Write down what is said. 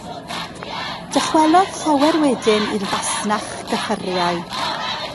Dychwelodd llawer wedyn i'r fasnach gyffuriau.